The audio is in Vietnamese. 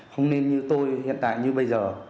không nên như tôi hiện tại như bây giờ